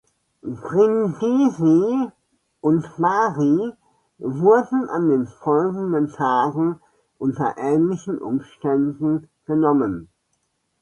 Brindisi und Bari wurden an den folgenden Tagen unter ähnlichen Umständen genommen.